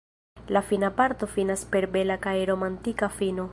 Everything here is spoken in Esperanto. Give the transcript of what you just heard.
La fina parto finas per bela kaj romantika fino.